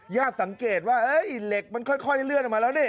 สังเกตว่าเหล็กมันค่อยเลื่อนออกมาแล้วนี่